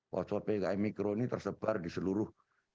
pos pos ppkm mikro ini tersebar di seluruh